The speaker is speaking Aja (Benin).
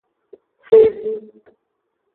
Xevi.